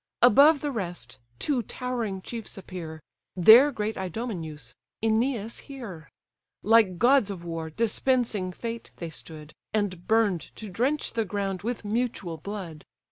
Above the rest, two towering chiefs appear, There great Idomeneus, Æneas here. Like gods of war, dispensing fate, they stood, And burn'd to drench the ground with mutual blood.